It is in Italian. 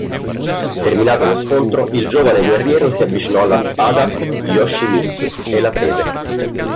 Terminato lo scontro il giovane guerriero si avvicinò alla spada Yoshimitsu e la prese.